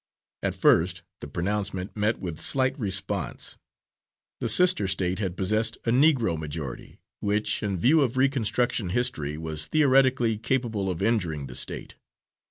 At first the pronouncement met with slight response. The sister State had possessed a Negro majority, which, in view of reconstruction history was theoretically capable of injuring the State.